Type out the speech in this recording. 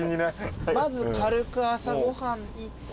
まず軽く朝ご飯いって。